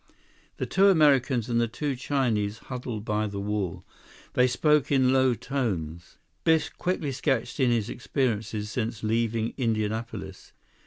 The two Americans and the two Chinese huddled by the wall. They spoke in low tones. Biff quickly sketched in his experiences since leaving Indianapolis.